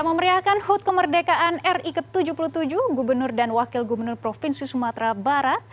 memeriahkan hud kemerdekaan ri ke tujuh puluh tujuh gubernur dan wakil gubernur provinsi sumatera barat